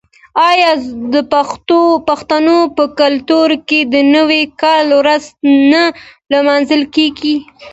آیا د پښتنو په کلتور کې د نوي کال ورځ نه لمانځل کیږي؟